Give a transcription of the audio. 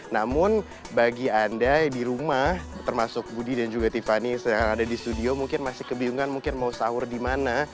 namun bagi anda di rumah termasuk budi dan juga tiffany yang ada di studio mungkin masih kebingungan mungkin mau sahur di mana